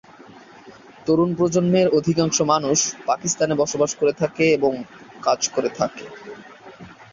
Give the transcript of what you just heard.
তরুণ প্রজন্মের অধিকাংশ মানুষ পাকিস্তানে বাস করে থাকে এবং কাজ করে থাকে।